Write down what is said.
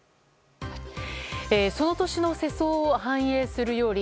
その年の世相を反映する料理